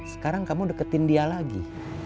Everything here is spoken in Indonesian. sekarang kamu deketin dia lagi